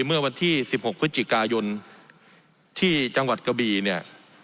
เมื่อวันที่๑๖พฤศจิกายนที่จังหวัดกะบีเนี่ย